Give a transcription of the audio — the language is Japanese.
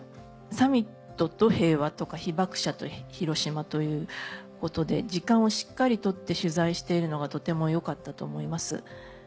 サミットと平和とか被爆者と広島ということで時間をしっかり取って取材しているのがとてもよかったと思います。